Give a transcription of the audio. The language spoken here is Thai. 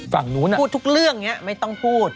พูดทุกเรื่องเนี่ยไม่ต้องพูด